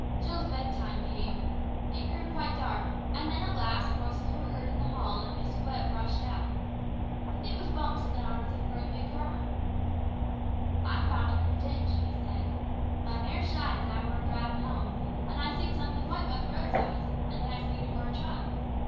Jill's bed time came. It grew quite dark, and then at last voices were heard in the hall and Miss Webb rushed out. It was Bumps in the arms of a big farmer. "I found her in a ditch," he said; "my mare shied as I were a drivin' home, and I seed somethin' white by the roadside, and then I seed it were a child.